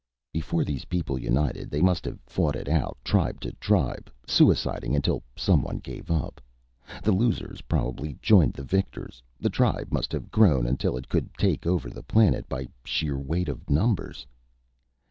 "Before these people united, they must have fought it out tribe to tribe, suiciding until someone gave up. The losers probably joined the victors; the tribe must have grown until it could take over the planet by sheer weight of numbers."